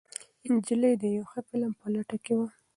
نجلۍ د یو ښه فلم په لټه کې وه.